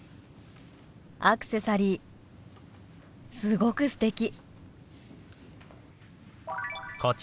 アクセサリーすごくすてき」。